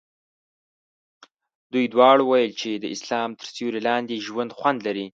دوی دواړو ویل چې د اسلام تر سیوري لاندې ژوند خوند لري.